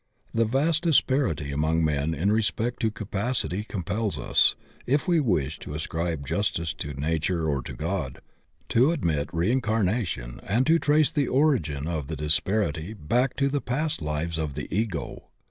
The vast disparity among men in respect to capacity compels us, if we wish to ascribe justice to Nature or to God, to admit reincarnation and to trace the origin of the disparity back to the past lives of the Ego.